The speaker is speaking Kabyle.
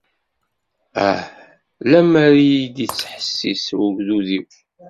Ah! Lemmer i iyi-d-ittḥessis ugdud-iw!